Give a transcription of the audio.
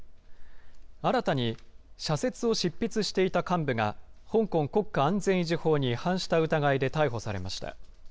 新たに社説を執筆していた幹部が、香港国家安全維持法に違反した疑いで逮捕されました。